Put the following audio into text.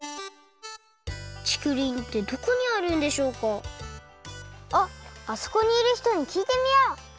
ちくりんってどこにあるんでしょうかあっあそこにいるひとにきいてみよう。